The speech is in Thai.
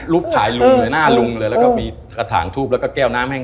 ขายลุงเลยหน้าลุงเลยแล้วก็มีกระถางทูบแล้วก็แก้วน้ำแห้ง